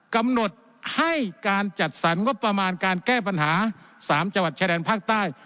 กำหนดให้การจัดสรรงบประมาณการแก้ปัญหา๓จังหวัดชายแดนภาคใต้